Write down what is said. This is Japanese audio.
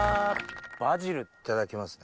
バジルいただきますね。